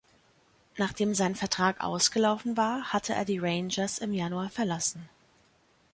Nachdem sein Vertrag ausgelaufen war, hatte er die Rangers im Januar verlassen.